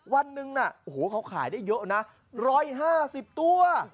วันหนึ่งน่ะโอ้โหเขาขายได้เยอะนะ๑๕๐ตัว